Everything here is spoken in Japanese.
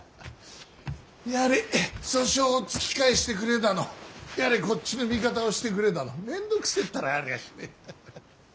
やれ訴訟を突き返してくれだのやれこっちの味方をしてくれだの面倒くせえったらありゃしねえ。